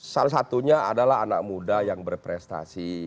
salah satunya adalah anak muda yang berprestasi